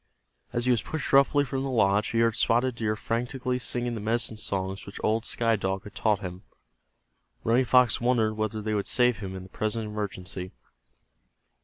As he was pushed roughly from the lodge he heard Spotted Deer frantically singing the medicine songs which old Sky Dog had taught him. Running Fox wondered whether they would save him in the present emergency.